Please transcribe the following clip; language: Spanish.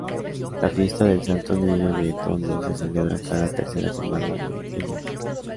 La fiesta del Santo Niño de Tondo se celebra cada tercera semana de enero.